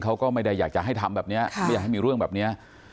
เขาก็ไม่ได้อยากจะให้ทำแบบนี้ไม่อยากให้มีเรื่องแบบนี้